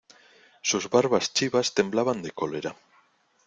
sus barbas chivas temblaban de cólera: